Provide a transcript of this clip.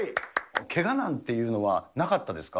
けがなんていうのはなかったですか？